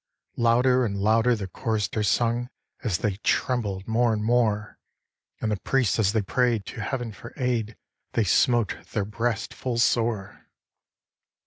Louder and louder the Choristers sung As they trembled more and more, And the Priests as they pray'd to heaven for aid, They smote their breasts full sore.